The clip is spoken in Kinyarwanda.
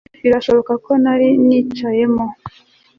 Birashoboka ko nari nicayemo